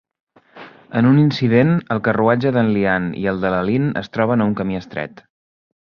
En un incident, el carruatge d'en Lian i el de la Lin es troben a un camí estret.